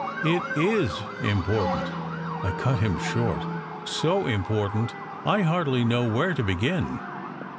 "It is important," I cut him short. "So important I hardly know where to begin."